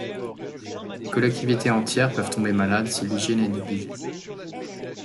Des collectivités entières peuvent tomber malades si l'hygiène est négligée.